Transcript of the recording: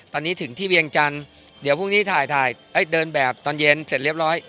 ตอนนี้ถึงที่เวียงจันทร์เดี๋ยวพรุ่งนี้ถ่ายถ่ายเดินแบบตอนเย็นเสร็จเรียบร้อย